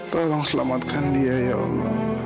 tolong selamatkan dia ya allah